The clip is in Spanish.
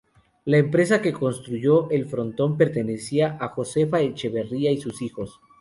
La empresa que construyó el frontón pertenecía a Josefa Echeverría y sus hijos.